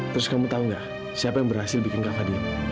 terus kamu tahu nggak siapa yang berhasil bikin apa dia